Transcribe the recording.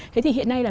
thế thì hiện nay là